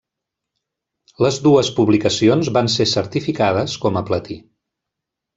Les dues publicacions van ser certificades com a platí.